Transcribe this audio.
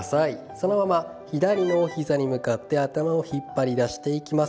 そのまま左のお膝に向かって頭を引っ張り出していきます。